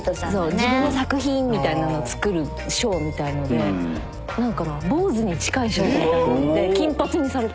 自分の作品みたいなのを作るショーみたいので何かな坊主に近いショートみたいになって金髪にされて。